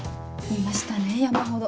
いましたね山ほど。